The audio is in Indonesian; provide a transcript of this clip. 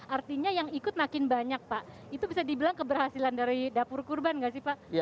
artinya yang ikut makin banyak pak itu bisa dibilang keberhasilan dari dapur kurban nggak sih pak